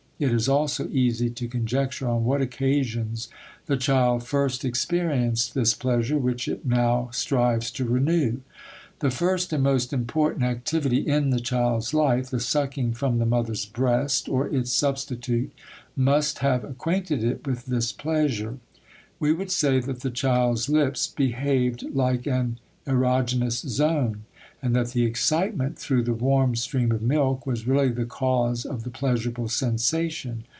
It is also easy to conjecture on what occasions the child first experienced this pleasure which it now strives to renew. The first and most important activity in the child's life, the sucking from the mother's breast (or its substitute), must have acquainted it with this pleasure. We would say that the child's lips behaved like an erogenous zone, and that the excitement through the warm stream of milk was really the cause of the pleasurable sensation.